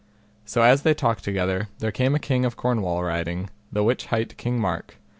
So as they talked together, there came a king of Cornwall riding, the which hight King Mark.